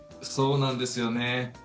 そうなんですよね。